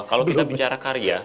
kalau kita bicara karya